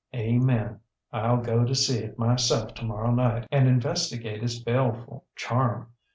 Amen. IŌĆÖll go to see it myself to morrow night and investigate its baleful charm.